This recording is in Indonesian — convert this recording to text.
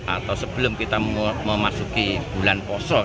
atau sebelum kita memasuki bulan poso